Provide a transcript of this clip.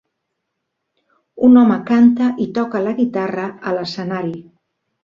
Un home canta i toca la guitarra a l'escenari.